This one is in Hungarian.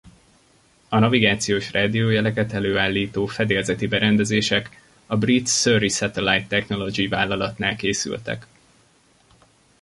A navigációs rádiójeleket előállító fedélzeti berendezések a brit Surrey Satellite Technology vállalatnál készültek.